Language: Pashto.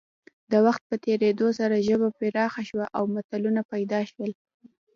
د وخت په تېرېدو سره ژبه پراخه شوه او متلونه پیدا شول